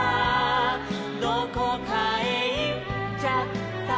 「どこかへいっちゃったしろ」